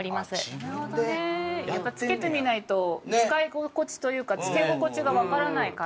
なるほどねやっぱ着けてみないと使い心地というか着け心地がわからないから。